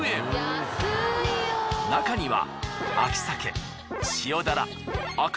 中には。